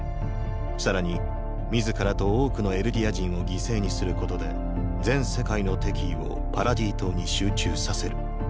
さらに自らと多くのエルディア人を犠牲にすることで全世界の敵意をパラディ島に集中させる。